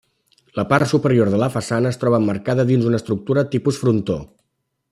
La part superior de la façana es troba emmarcada dins una estructura tipus frontó.